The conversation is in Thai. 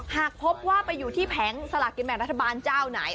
หากพบว่าไปอยู่ที่แผงสลากกินแบ่งรัฐบาลเจ้าไหน